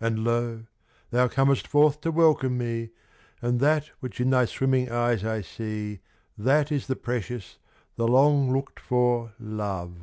And lo! thou comest forth to welcome me; And that which in thy swimming eyes I see, That is the precious, the long looked for Love.